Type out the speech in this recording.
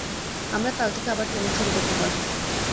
আমরা কাল থেকে আবার ট্রেনিং শুরু করতে পারব।